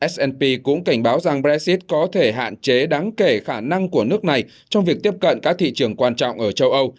s p cũng cảnh báo rằng brexit có thể hạn chế đáng kể khả năng của nước này trong việc tiếp cận các thị trường quan trọng ở châu âu